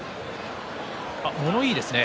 物言いですね。